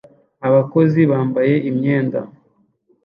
Abakozi bambaye imyenda